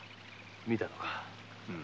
見たのか？